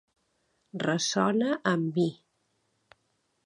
Ressona amb mi.